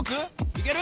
いける？